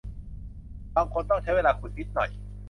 บางคนต้องใช้เวลาขุดนิดหน่อย